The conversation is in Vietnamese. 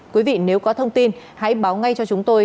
quý vị nếu có thông tin hãy báo ngay cho chúng tôi